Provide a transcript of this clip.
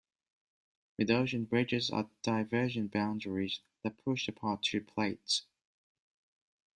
Mid-ocean ridges are divergent boundaries that push apart two plates.